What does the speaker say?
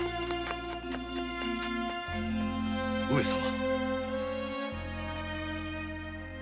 上様！